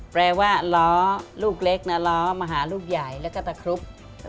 แปลว่าล้อลูกเล็กนะล้อมาหาลูกใหญ่แล้วก็ตะครุบ